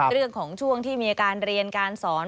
เรื่องของช่วงที่มีการเรียนการสอน